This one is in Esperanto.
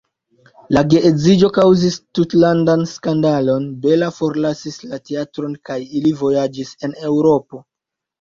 La geedziĝo kaŭzis tutlandan skandalon, Bella forlasis la teatron kaj ili vojaĝis en Eŭropo.